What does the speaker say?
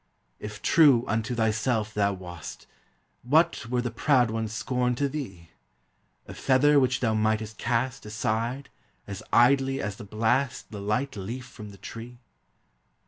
If true unto thyself thou wast, What were the proud one's scorn to thee? A feather which thou mightest cast Aside, as idly as the blast The light leaf from the tree.